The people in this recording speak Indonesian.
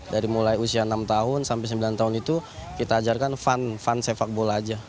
dari mulai usia enam tahun sampai sembilan tahun itu kita ajarkan fun fun sepak bola aja